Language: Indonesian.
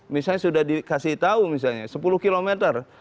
misalnya sudah dikasih tahu misalnya sepuluh kilometer